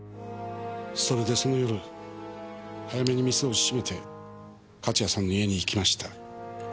それでその夜早めに店を閉めて勝谷さんの家に行きました。